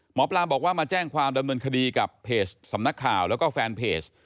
หมอปลาบอกว่ามาแจ้งความดำเนินคดีกับเพจสำนักข่าวแล้วก็แฟนเพจ